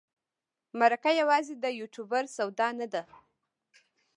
مرکه یوازې د یوټوبر سودا نه ده.